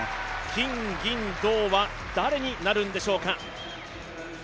金、銀、銅は誰になるんでしょうか。